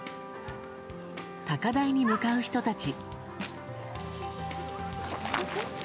高台に向かう人たち。